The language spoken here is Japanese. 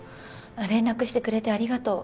連絡してくれてありがとう。